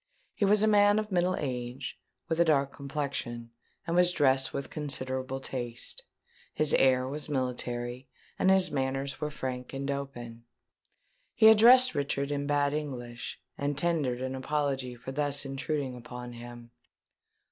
He was a man of middle age, with a dark complexion, and was dressed with considerable taste. His air was military, and his manners were frank and open. He addressed Richard in bad English, and tendered an apology for thus intruding upon him.